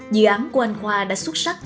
dự án của anh khoa đã xuất sắc